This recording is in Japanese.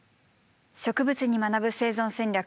「植物に学ぶ生存戦略」。